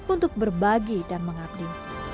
untuk berbagi dan mengerti